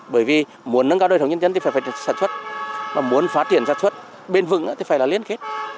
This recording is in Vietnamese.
bởi vì muốn nâng cao đời sống cho người dân thì phải sản xuất mà muốn phát triển sản xuất bền vững thì phải liên kết